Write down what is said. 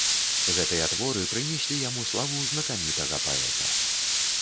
Гэтыя творы прынеслі яму славу знакамітага паэта.